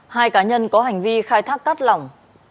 hai cá nhân có hành vi khai thác cát lỏng